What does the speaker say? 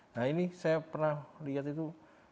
nah ini saya pernah lihat itu